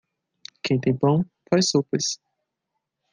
Quem tem pão, faz sopas.